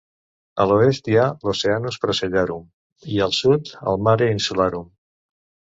A l'oest hi ha l'Oceanus Procellarum i al sud el Mare Insularum.